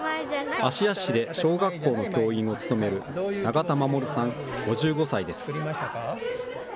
芦屋市で小学校の教員を務める永田守さん５５歳です。